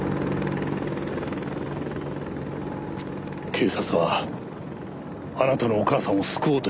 警察はあなたのお母さんを救おうとしなかった。